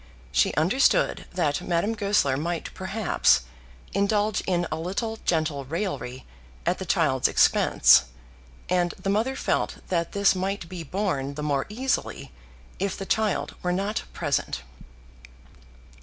She understood that Madame Goesler might perhaps indulge in a little gentle raillery at the child's expense, and the mother felt that this might be borne the more easily if the child were not present.